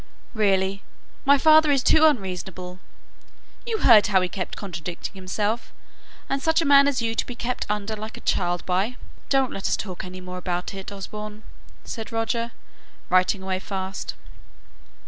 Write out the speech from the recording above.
"Really, my father is too unreasonable. You heard how he kept contradicting himself; and such a man as you to be kept under like a child by " "Don't let us talk any more about it, Osborne," said Roger, writing away fast.